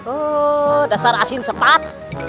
oh dasar asin sepat